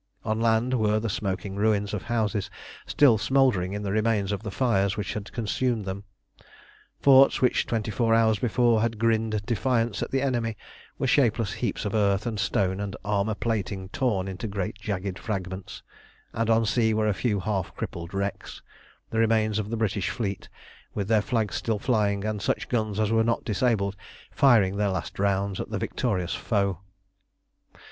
On land were the smoking ruins of houses, still smouldering in the remains of the fires which had consumed them; forts which twenty four hours before had grinned defiance at the enemy were shapeless heaps of earth and stone, and armour plating torn into great jagged fragments; and on sea were a few half crippled wrecks, the remains of the British fleet, with their flags still flying, and such guns as were not disabled firing their last rounds at the victorious foe.